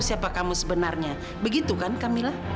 siapa kamu sebenarnya begitu kan kamila